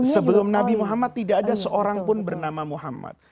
sebelum nabi muhammad tidak ada seorang pun bernama muhammad